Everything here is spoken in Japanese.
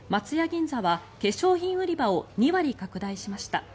銀座は化粧品売り場を２割拡大しました。